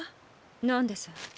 何です？